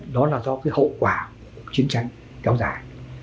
đó là do cái hậu quả của chiến tranh kéo dài